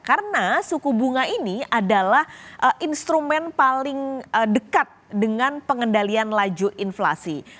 karena suku bunga ini adalah instrumen paling dekat dengan pengendalian laju inflasi